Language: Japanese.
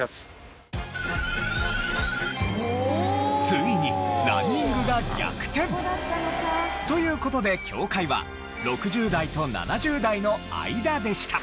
ついにランニングが逆転！という事で境界は６０代と７０代の間でした。